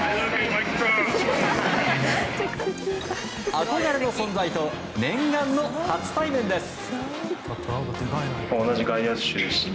憧れの存在と念願の初対面です。